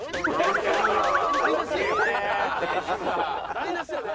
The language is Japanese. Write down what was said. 台無しやで。